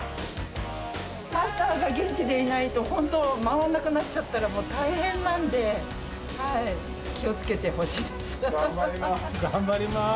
マスターが元気でいないと、本当、回んなくなっちゃったら、もう大変なんで、気をつけてほしいです。